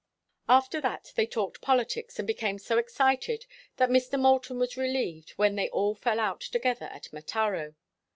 After that they talked politics and became so excited that Mr. Moulton was relieved when they all fell out together at Mataro.